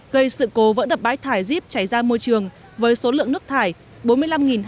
gây sự cố vỡ đập bãi thải gibbs chảy ra môi trường với số lượng nước thải bốn mươi năm hai trăm sáu mươi bốn m ba